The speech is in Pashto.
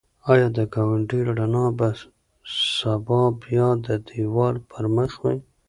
ایا د ګاونډي رڼا به سبا بیا د دېوال پر مخ وي؟